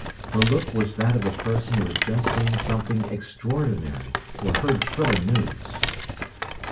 Her look was that of a person who had just seen something extraordinary or heard thrilling news.